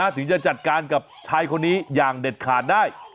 ถึงจะจัดการกับชายคนนี้อย่างเด็ดขาดได้